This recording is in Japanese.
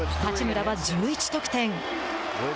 八村は１１得点。